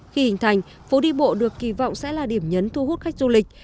khi hình thành phố đi bộ được kỳ vọng sẽ là điểm nhấn thu hút khách du lịch